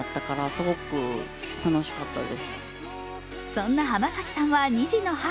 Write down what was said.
そんな浜崎さんは２児の母。